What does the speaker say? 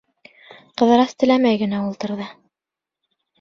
Ҡыҙырас теләмәй генә ултырҙы.